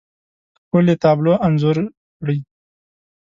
ښکلې، تابلو انځور کړي